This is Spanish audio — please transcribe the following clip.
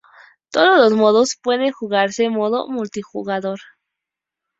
Todos los modos pueden jugarse en modo multijugador.